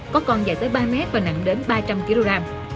có con dài tới ba mét và nặng đến ba trăm linh kg